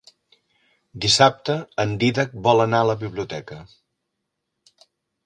Dissabte en Dídac vol anar a la biblioteca.